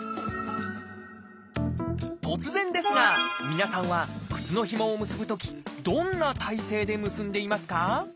突然ですが皆さんは靴のひもを結ぶときどんな体勢で結んでいますか？